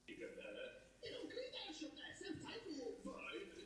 Nejčastější příčinou úmrtí jsou ale srdeční problémy.